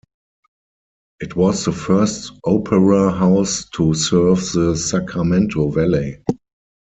It was the first opera house to serve the Sacramento Valley.